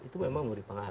itu memang murid pengaruh